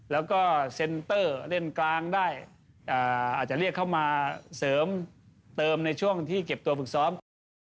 แล้วก็เซ็นเตอร์เล่นกลางได้อาจจะเรียกเข้ามาเสริมเติมในช่วงที่เก็บตัวฝึกซ้อม